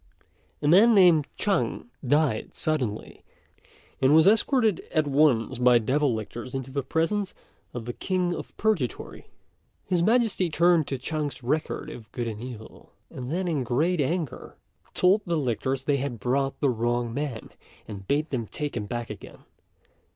A man named Chang died suddenly, and was escorted at once by devil lictors into the presence of the King of Purgatory. His Majesty turned to Chang's record of good and evil, and then, in great anger, told the lictors they had brought the wrong man, and bade them take him back again.